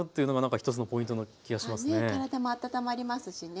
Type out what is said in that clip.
からだも温まりますしね。